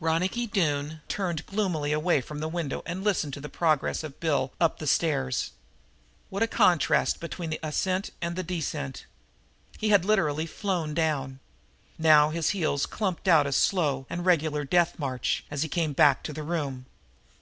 Ronicky Doone turned gloomily away from the window and listened to the progress of Gregg up the stairs. What a contrast between the ascent and the descent! He had literally flown down. Now his heels clumped out a slow and regular death march, as he came back to the room.